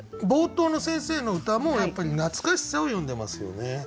冒頭の先生の歌もやっぱり懐かしさを詠んでますよね。